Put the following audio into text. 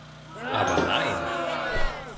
Aber nein!